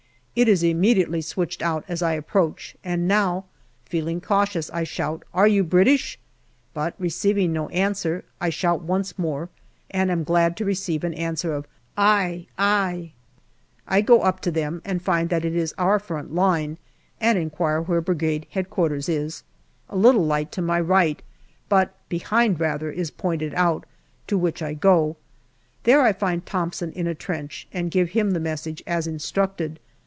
It is immediately switched out as I approach, and now, feeling cautious, I shout, " Are you British ?" but receiving no answer, I shout once more, and am glad to receive an answer of " Aye, aye." I go up to them and find that it is our front line, and inquire where Brigade H.Q. is. A little light to my right, but behind rather, is pointed out, to which I go. There I find Thomson in a trench and give him the message as instructed.